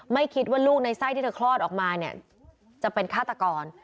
ไม่คิดว่าลูกในไส้ที่เธอคลอดออกมาเนี่ยจะเป็นฆาตกร